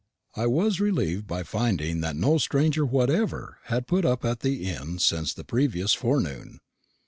I was relieved by finding that no stranger whatever had put up at the inn since the previous forenoon.